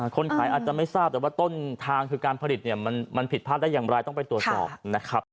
คนขายอาจจะไม่ทราบแต่ว่าต้นทางคือการผลิตเนี่ยมันผิดพลาดได้อย่างไรต้องไปตรวจสอบนะครับ